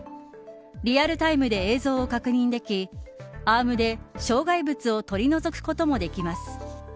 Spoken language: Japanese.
リアルタイムで映像を確認できアームで障害物を取り除くこともできます。